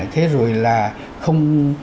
thế rồi là không